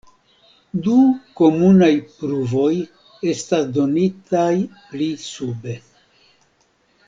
Du komunaj pruvoj estas donitaj pli sube.